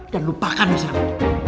dan lupakan michelle